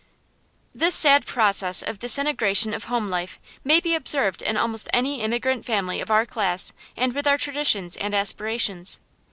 This sad process of disintegration of home life may be observed in almost any immigrant family of our class and with our traditions and aspirations.